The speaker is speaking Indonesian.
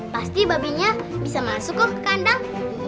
pasti babinya bisa masuk ke kandang